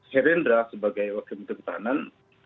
herindra sebagai wakil menteri pertahanan